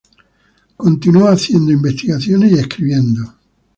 Continuó haciendo investigaciones y escribiendo.